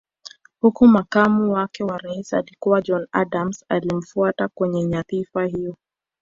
Huku makamu wake wa Rais alikuwa John Adams aliyemfuata kwenye nyadhifa hiyo